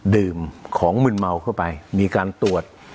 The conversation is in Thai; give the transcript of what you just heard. ดื่มของมึนเมาเข้าไปมีการตรวจ